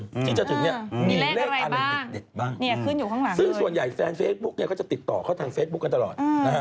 ที่จะถึงเนี่ยมีเลขอะไรเด็ดบ้างซึ่งส่วนใหญ่แฟนเฟซบุ๊กเนี่ยเขาจะติดต่อเข้าทางเฟซบุ๊กกันตลอด